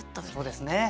そうですね。